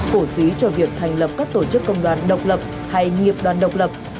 cổ xúy cho việc thành lập các tổ chức công đoàn độc lập hay nghiệp đoàn độc lập